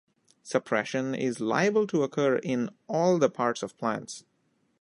Suppression is liable to occur in all the parts of plants